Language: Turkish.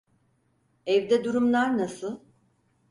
Evde durumlar nasıl?